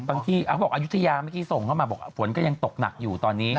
ที่เขาบอกอายุทยาเมื่อกี้ส่งเข้ามาบอกฝนก็ยังตกหนักอยู่ตอนนี้